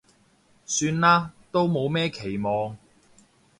算啦，都冇咩期望